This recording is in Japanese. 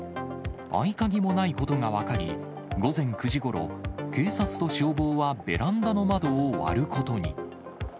合鍵もないことが分かり、午前９時ごろ、警察と消防はベランダの窓を割ることに。